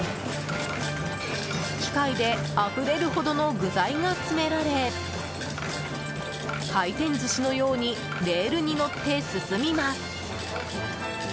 機械であふれるほどの具材が詰められ回転寿司のようにレールに乗って進みます。